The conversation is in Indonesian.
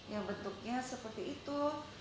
yang bentuknya seperti itu